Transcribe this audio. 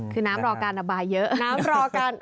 คือน้ำรอการระบายเยอะ